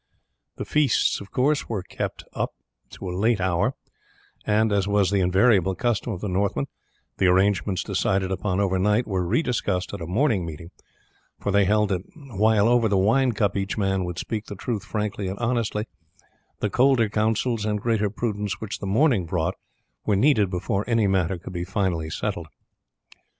The feasts were kept up to a late hour, and, as was the invariable custom of the Northmen, the arrangements decided upon overnight were rediscussed at a morning meeting; for they held that while over the wine cup each man would speak the truth frankly and honestly, the colder counsels and greater prudence which the morning brought were needed before any matter could be finally settled.